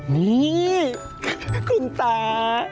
นี่คุณตา